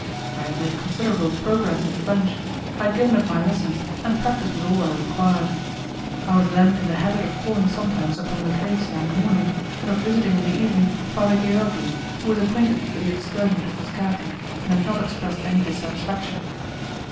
I had made considerable progress in French; I had given up my lessons, and practice was all I required. I was then in the habit of calling sometimes upon Lucrezia in the morning, and of visiting in the evening Father Georgi, who was acquainted with the excursion to Frascati, and had not expressed any dissatisfaction.